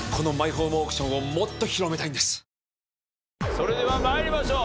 それでは参りましょう。